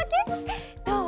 どう？